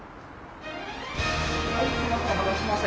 はいすいませんお待たせしました。